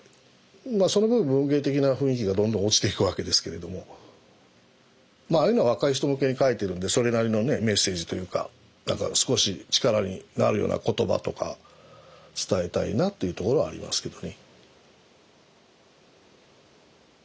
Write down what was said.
その分文芸的な雰囲気がどんどん落ちていくわけですけれどもまあああいうのは若い人向けに書いているのでそれなりのねメッセージというか何か少し力になるような言葉とか伝えたいなというところはありますけどね。